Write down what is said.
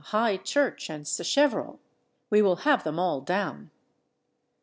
High Church and Sacheverell!" "We will have them all down!"